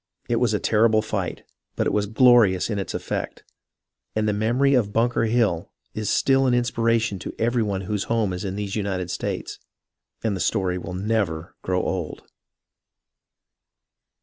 It was a terrible fight, but it was glorious in its effect ; and the memory of Bunker Hill is still an inspiration to every one whose home is in these United States, and the story will never grow old.